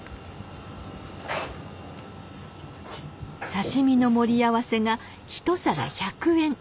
刺身の盛り合わせが１皿１００円。